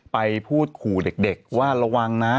ไปพูดขู่เด็กว่าระวังนะ